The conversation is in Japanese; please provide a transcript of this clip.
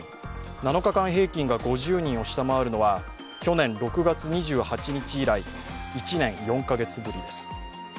７日平均が５０人を下回るのは去年６月２８日以来、１年４カ月ぶりです。